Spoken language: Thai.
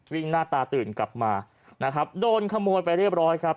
หน้าตาตื่นกลับมานะครับโดนขโมยไปเรียบร้อยครับ